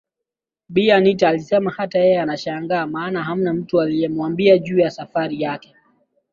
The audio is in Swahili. Bi Anita alisema hata yeye anashangaa maana hamna mtu aliemwambia juu ya safari yake